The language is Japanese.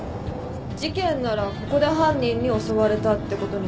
事件ならここで犯人に襲われたってことになる。